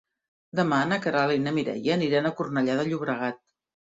Demà na Queralt i na Mireia aniran a Cornellà de Llobregat.